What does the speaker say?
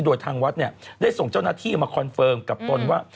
โดยทางวัดเนี่ยได้ส่งเจ้าหน้าที่มาคอนเฟิร์มกับตนว่า